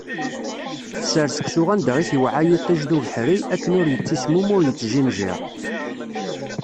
Tefser seksu anda i t-iweɛɛa yiṭij d ubeḥri, akken ur yettismum ur yettjinjiṛ.